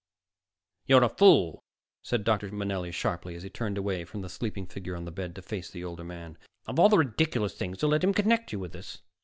"You're a fool," said Dr. Manelli sharply, as he turned away from the sleeping figure on the bed to face the older man. "Of all the ridiculous things, to let him connect you with this!"